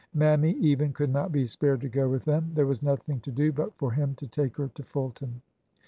Mammy, even, could not be spared to go with them. There was nothing to do but for him to take her to Fulton.